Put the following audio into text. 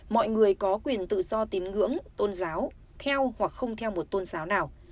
mọi người có quyền tự do tín ngưỡng tôn giáo theo hoặc không theo một tôn giáo nào